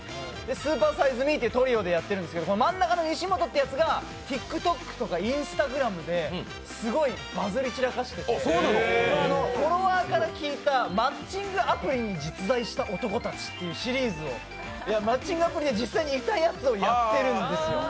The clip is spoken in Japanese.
スーパーサイズ・ミー西本というトリオでやっているんですけど真ん中の西本ってやつがＴｉｋＴｏｋとかＩｎｓｔａｇｒａｍですごいバズり散らかしてて、フォロワーから聞いた「マッチングアプリに実在した男たち」っていうシリーズを、マッチングアプリで実際にいたやつをやっているんですよ。